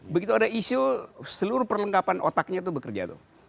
begitu ada isu seluruh perlengkapan otaknya itu bekerja tuh